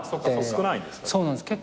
少ないんですか？